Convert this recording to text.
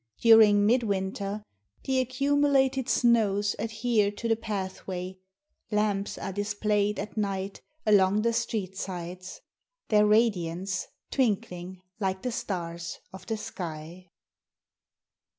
During midwinter the accumulated snows adhere to the pathway, Lamps are displayed at night along the street sides, Their radiance twinkling like the stars of the sky.